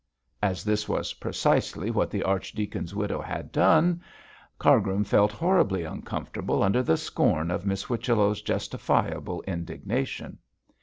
As this was precisely what the archdeacon's widow had done, Cargrim felt horribly uncomfortable under the scorn of Miss Whichello's justifiable indignation.